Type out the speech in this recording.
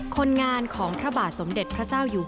คนงานของพระบาทสมเด็จพระเจ้าอยู่หัว